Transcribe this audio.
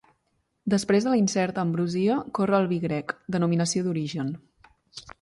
Després de la incerta ambrosia corre el vi grec, denominació d'origen.